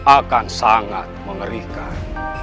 akan sangat mengerikan